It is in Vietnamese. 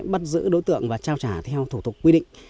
bắt giữ đối tượng và trao trả theo thủ tục quy định